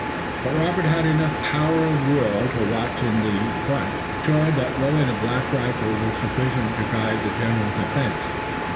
But Robert had enough power of will to watch in front, sure that Willet and Black Rifle were sufficient to guide the central defense.